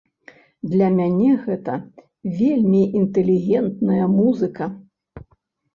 Для мяне гэта вельмі інтэлігентная музыка.